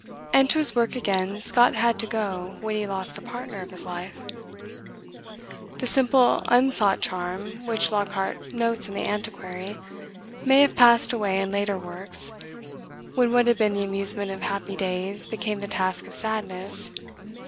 And to his work again Scott had to go when he lost the partner of his life. The simple unsought charm which Lockhart notes in "The Antiquary" may have passed away in later works, when what had been the amusement of happy days became the task of sadness.